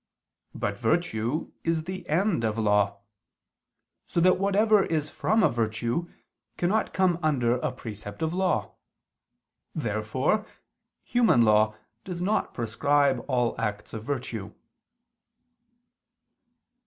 But virtue is the end of law; so that whatever is from a virtue, cannot come under a precept of law. Therefore human law does not prescribe all acts of virtue.